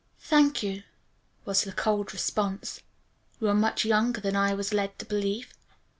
"Thank you," was the cold response, "You are much younger than I was led to believe.